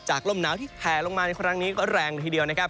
ลมหนาวที่แผลลงมาในครั้งนี้ก็แรงละทีเดียวนะครับ